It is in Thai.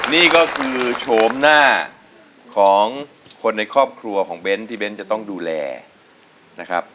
นี่ก็คือโฉมหน้าของคนในครอบครัวของเบ้นที่เบ้นจะต้องดูแลนะครับ